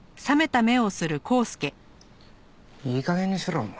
いい加減にしろお前。